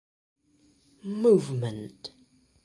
Movement.